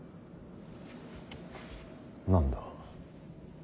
何だ。